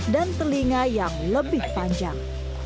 dan telinga yang lebih panjang